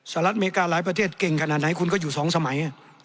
รัฐอเมริกาหลายประเทศเก่งขนาดไหนคุณก็อยู่๒สมัย